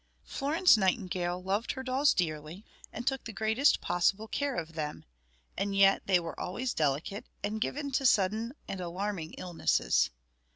Florence Nightingale loved her dolls dearly, and took the greatest possible care of them; and yet they were always delicate and given to sudden and alarming illnesses.